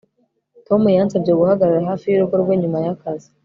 Tom yansabye guhagarara hafi yurugo rwe nyuma yakazi